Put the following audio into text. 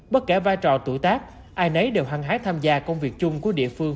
bất kể vai trò tuổi tác ai nấy đều hăng hái tham gia công việc chung của địa phương